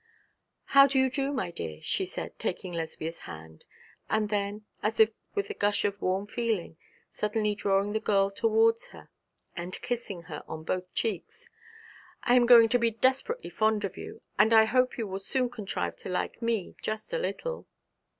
'How do you do, my dear?' she said, taking Lesbia's hand, and then, as if with a gush of warm feeling, suddenly drawing the girl towards her and kissing her on both cheeks. 'I am going to be desperately fond of you, and I hope you will soon contrive to like me just a little.'